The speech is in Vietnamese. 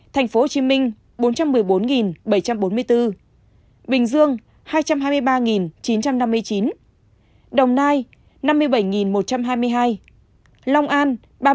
thành phố hồ chí minh bốn trăm một mươi bốn bảy trăm bốn mươi bốn bình dương hai trăm hai mươi ba chín trăm năm mươi chín đồng nai năm mươi bảy một trăm hai mươi hai long an ba mươi ba năm trăm sáu mươi bảy